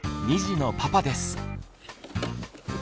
２児のパパです。